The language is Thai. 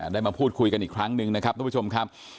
ได้มาพูดคุยกันอีกครั้งหนึ่งนะครับทุกผู้ชมครับ